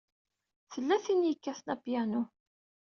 Tella tin i yekkaten apyanu.